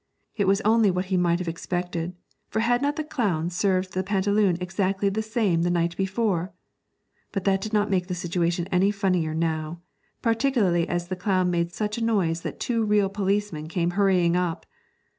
It was only what he might have expected, for had not the clown served the pantaloon exactly the same the night before? But that did not make the situation any the funnier now, particularly as the clown made such a noise that two real policemen came hurrying up.